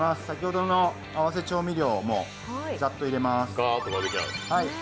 先ほどの合わせ調味料をざっと入れます。